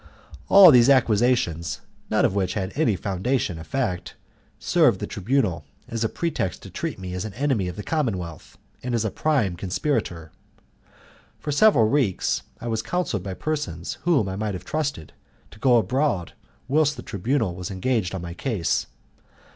All these accusations, none of which had any foundation in fact, served the Tribunal as a pretext to treat me as an enemy of the commonwealth and as a prime conspirator. For several weeks I was counselled by persons whom I might have trusted to go abroad whilst the Tribunal was engaged on my case.